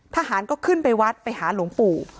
ทหารก็ขึ้นไปวัดไปหาหลวงปู่